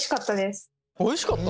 おいしかった。